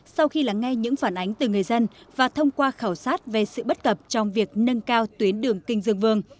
sau khi lắng nghe những phản ánh từ người dân và thông qua khảo sát về sự bất cập trong việc nâng cao tuyến đường kinh dương vương